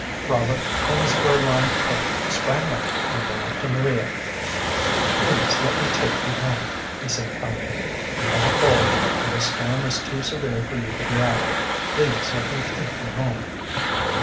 Robert, in his fur lined coat, sprang out and went up to Maria. "Please let me take you home," he said, kindly. "You have a cold, and this storm is too severe for you to be out. Please let me take you home."